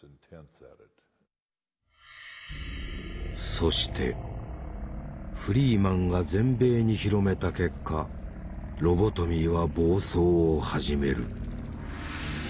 そしてフリーマンが全米に広めた結果ロボトミーは暴走を始める。